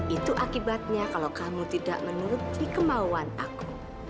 itu akibatnya kalau kamu tidak menuruti kemauan aku